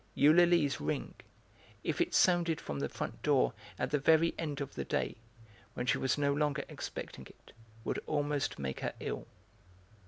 Eulalie's ring, if it sounded from the front door at the very end of the day, when she was no longer expecting it, would almost make her ill.